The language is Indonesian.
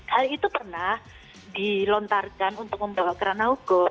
hal itu pernah dilontarkan untuk membawa kerana hukum